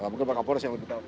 bukan pak kapolres yang beritahu